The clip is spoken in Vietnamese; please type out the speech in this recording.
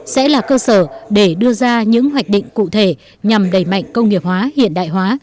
sẽ là cơ sở để đưa ra những hoạch định cụ thể nhằm đẩy mạnh công nghiệp hóa hiện đại hóa